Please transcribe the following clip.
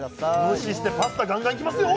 無視してパスタガンガンいきますよ